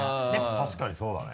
確かにそうだね。